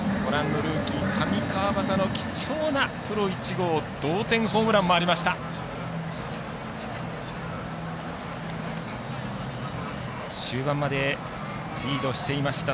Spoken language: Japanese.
ルーキー上川畑の貴重なプロ１号同点ホームランもありました。